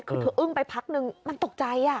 คือเธออึ้งไปพักนึงมันตกใจ